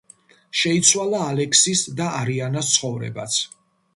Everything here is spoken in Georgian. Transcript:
შეიცვალა ალექსის და არიანას ცხოვრებაც.